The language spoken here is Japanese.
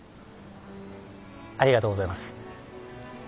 ありがとうございます。